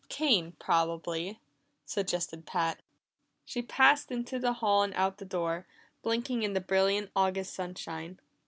"Cain, probably," suggested Pat. She passed into the hall and out the door, blinking in the brilliant August sunshine.